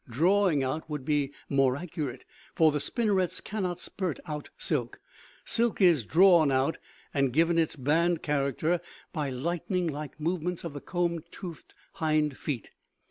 ['Drawing out' would be more accurate, for the spinnerets cannot spurt out silk; silk is drawn out and given its band character by lightning like movements of the comb toothed hind feet.